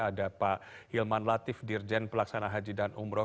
ada pak hilman latif dirjen pelaksana haji dan umroh